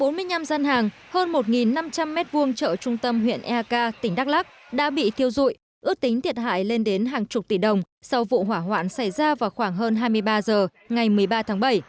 bốn mươi năm gian hàng hơn một năm trăm linh m hai chợ trung tâm huyện eak tỉnh đắk lắc đã bị thiêu dụi ước tính thiệt hại lên đến hàng chục tỷ đồng sau vụ hỏa hoạn xảy ra vào khoảng hơn hai mươi ba h ngày một mươi ba tháng bảy